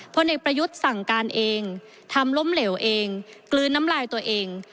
พลเอกประยุทธ์สั่งการเองทำล้มเหลวเองกลืนน้ำลายตัวเอง